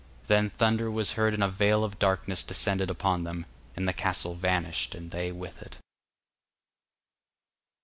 Then thunder was heard and a veil of darkness descended upon them, and the castle vanished and they with it.